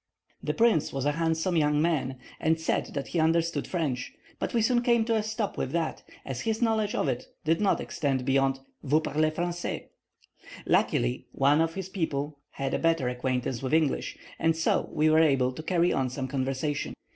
The prince was a handsome young man, and said that he understood French; but we soon came to a stop with that, as his knowledge of it did not extend beyond "Vous parlez Francais!" Luckily, one of his people had a better acquaintance with English, and so we were able to carry on some conversation.